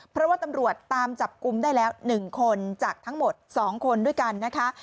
เพราะว่าตำรวจตามจับกลุ่มได้แล้ว๑คนจากทั้งหมด๒คนด้วยกันนะคะ